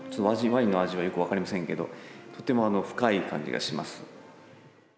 私、ワインの味がよくわかりませんけどとっても深い感じがします。